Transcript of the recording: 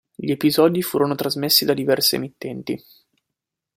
Gli episodi furono trasmessi da diverse emittenti.